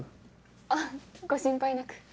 あっご心配なく。